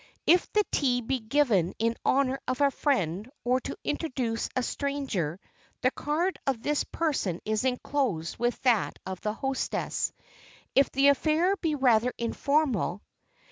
If the tea be given in honor of a friend, or to introduce a stranger, the card of this person is enclosed with that of the hostess, if the affair be rather informal.